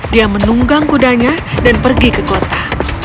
dia menunggang kudanya dan pergi ke kota